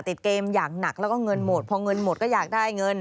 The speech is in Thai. ติดเกมอย่างหนักแล้วก็เงินหมดพอเงินหมดก็อยากได้เงิน